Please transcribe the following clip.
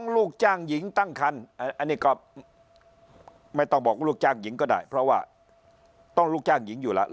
ลูกจ้างหญิงตั้งคันอันนี้ก็ไม่ต้องบอกลูกจ้างหญิงก็ได้เพราะว่าต้องลูกจ้างหญิงอยู่แล้ว